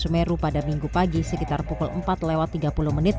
semeru pada minggu pagi sekitar pukul empat lewat tiga puluh menit